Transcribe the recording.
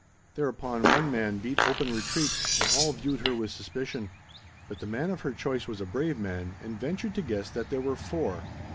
Thereupon one man beat open retreat and all viewed her with suspicion. But the man of her choice was a brave man and ventured to guess that there were four.